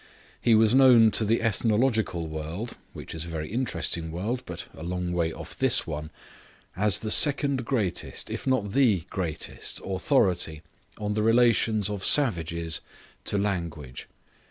He was known to the ethnological world (which is a very interesting world, but a long way off this one) as the second greatest, if not the greatest, authority on the relations of savages to language.